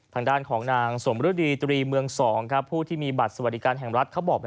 ทางด้านของนางสมฤดีตรีเมือง๒ผู้ที่มีบัตรสวัสดิการแห่งรัฐเขาบอก